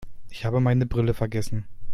Ich habe meine Brille vergessen.